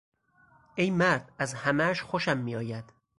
ای مرد، از همهاش خوشم میآید!